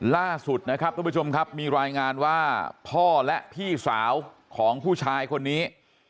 ล่าสุดนะครับทุกผู้ชมครับมีรายงานว่าพ่อและพี่สาวของผู้ชายคนนี้